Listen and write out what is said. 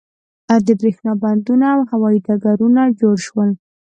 د بریښنا بندونه او هوایی ډګرونه جوړ شول.